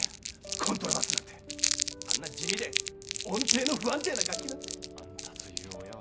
コントラバスなんてあんな地味で音程の不安定な楽器なんて。あんたという親は。